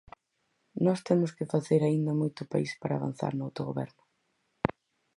Nós temos que facer aínda moito país para avanzar no autogoberno.